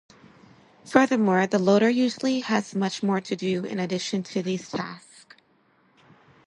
Furthermore, the loader usually has much more to do in addition to these tasks.